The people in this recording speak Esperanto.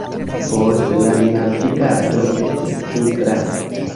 Poste la navigado estis pli glata.